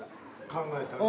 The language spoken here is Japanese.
考えたの？